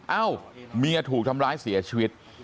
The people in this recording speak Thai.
เอ้าเมียถูกทำร้ายเสียชีวิต